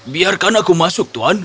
biarkan aku masuk tuan